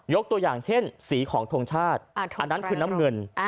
ตัวอย่างเช่นสีของทงชาติอันนั้นคือน้ำเงิน